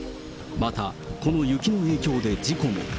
また、この雪の影響で事故も。